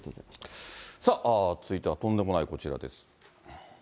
さあ、続いてはとんでもないこちらです。